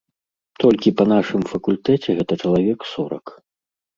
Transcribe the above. Толькі па нашым факультэце гэта чалавек сорак.